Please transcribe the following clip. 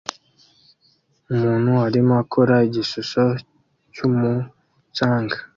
Umuntu arimo akora igishusho cyumucanga